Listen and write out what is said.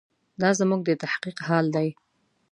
دا زموږ د تحقیق حال دی.